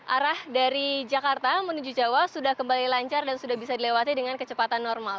arah dari jakarta menuju jawa sudah kembali lancar dan sudah bisa dilewati dengan kecepatan normal